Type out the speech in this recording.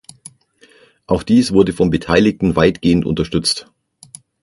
Auch dies wurde von Beteiligten weitgehend unterstützt.